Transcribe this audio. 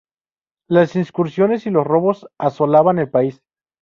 Las incursiones y los robos asolaban el país.